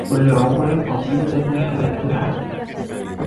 كل عمر قصيدة كتبتها